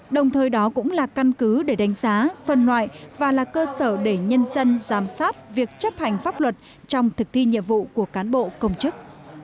đồng thời đó cũng là căn cứ để đánh giá phân loại và là cơ sở để nhân dân giám sát việc chấp hành pháp luật trong thực thi nhiệm vụ của cán bộ công chức